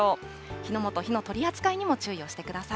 火の元、火の取り扱いにも注意をしてください。